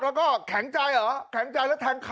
แล้วก็แข็งใจเหรอแข็งใจแล้วแทงขา